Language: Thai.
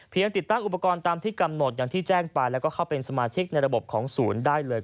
ติดตั้งอุปกรณ์ตามที่กำหนดอย่างที่แจ้งไปแล้วก็เข้าเป็นสมาชิกในระบบของศูนย์ได้เลย